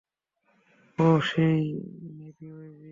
ওহ, hey, মেভি wavy!